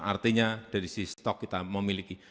artinya dari sisi stok kita memiliki